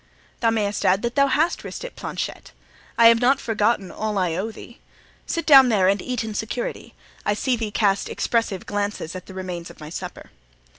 "Thou mayst add that thou hast risked it, Planchet. I have not forgotten all I owe thee. Sit down there and eat in security. I see thee cast expressive glances at the remains of my supper."